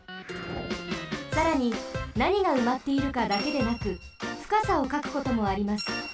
さらになにがうまっているかだけでなくふかさをかくこともあります。